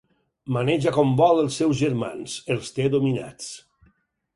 Maneja com vol els seus germans: els té dominats.